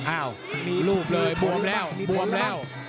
อ้าวลูกเลยบวมแล้วบวมแล้ว